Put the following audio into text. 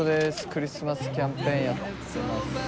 クリスマスキャンペーンやってます。